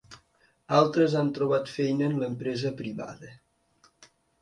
Altres han trobat feina en l’empresa privada.